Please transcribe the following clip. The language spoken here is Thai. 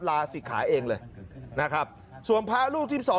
ลาศิกขาเองเลยนะครับส่วนพระรูปที่สอง